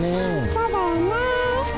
そうだよね。